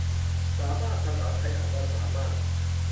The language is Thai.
สามารถ ภาษาไทยอ่านว่าสา มาด